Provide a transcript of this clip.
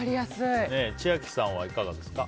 千秋さんは、いかがですか？